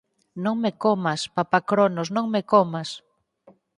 "¡Non me comas, Papá Cronos, non me comas!